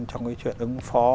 trong cái chuyện ứng phó